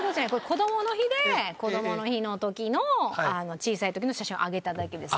こどもの日でこどもの日の時の小さい時の写真をあげただけです。